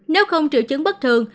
nếu không triệu chứng bất thường